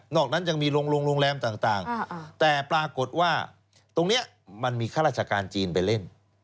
อกนั้นยังมีโรงแรมต่างแต่ปรากฏว่าตรงนี้มันมีข้าราชการจีนไปเล่น